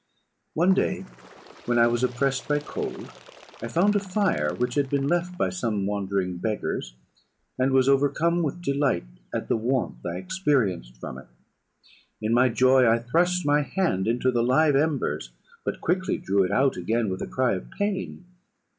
"One day, when I was oppressed by cold, I found a fire which had been left by some wandering beggars, and was overcome with delight at the warmth I experienced from it. In my joy I thrust my hand into the live embers, but quickly drew it out again with a cry of pain.